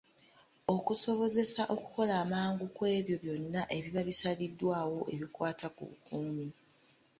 Okusobozesa okukola amangu ku ebyo byonna ebiba bisaliddwawo ebikwata ku bukuumi.